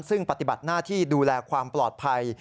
ซึ่งปฏิบัติหน้าที่ดูแลความปลอดภัย